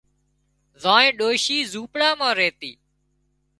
زانئينَ ڏوشِي زونپڙا مان ريتي